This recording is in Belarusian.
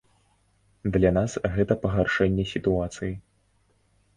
Для нас гэта пагаршэнне сітуацыі.